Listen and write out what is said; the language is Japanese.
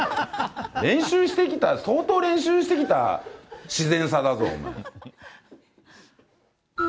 練習してきた、相当練習してきた自然さだぞ、お前。